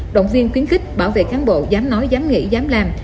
động viên quyến kích bảo vệ cán bộ dám nói dám nghĩ dám làm